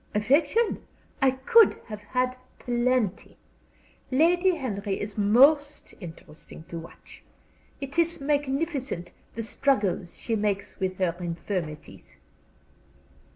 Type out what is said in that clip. "Affection? I could have had plenty. Lady Henry is most interesting to watch. It is magnificent, the struggles she makes with her infirmities."